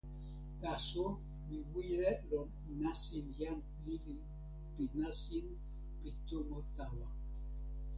taso mi wile lon nasin jan lili pi nasin pi tomo tawa.